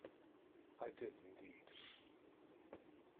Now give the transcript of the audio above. I did, indeed.